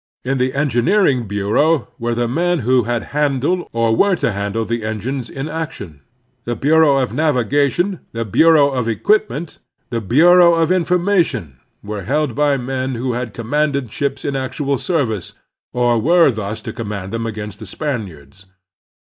In the Engineering Btu eau were the men who had handled or were to handle the engines in action. The Bureau of Navigation, the Bureau of Equipment, the Bureau of Informa tion, were held by men who had commanded ships in actual service, or who were thus to command them against the Spaniards.